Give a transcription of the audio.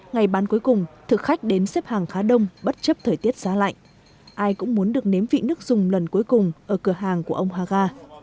ngày bán cuối cùng thực khách đến xếp hàng khá đông bất chấp thời tiết giá lạnh ai cũng muốn được nếm vị nước dùng lần cuối cùng ở cửa hàng của ông haga